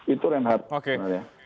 itu yang harus